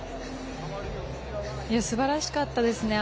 すばらしかったですね。